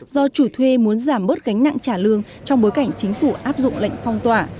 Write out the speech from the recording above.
do chủ thuê muốn giảm bớt gánh nặng trả lương trong bối cảnh chính phủ áp dụng lệnh phong tỏa